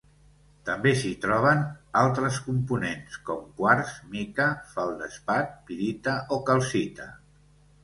També s'hi troben altres components com quars, mica, feldespat, pirita o calcita.